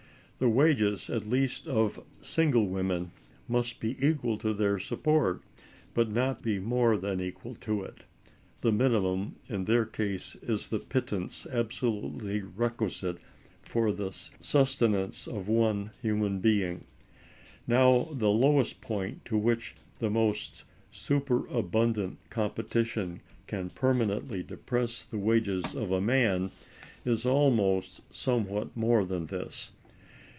The wages, at least of single women, must be equal to their support, but need not be more than equal to it; the minimum, in their case, is the pittance absolutely requisite for the sustenance of one human being. Now the lowest point to which the most superabundant competition can permanently depress the wages of a man is always somewhat more than this.